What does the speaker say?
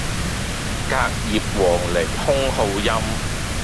隔葉黃鸝空好音